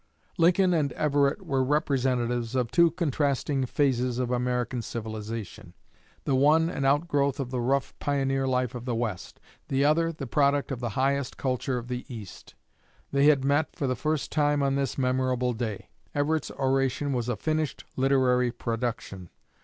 Lincoln and Everett were representatives of two contrasting phases of American civilization: the one, an outgrowth of the rough pioneer life of the West; the other, the product of the highest culture of the East. They had met for the first time on this memorable day. Everett's oration was a finished literary production.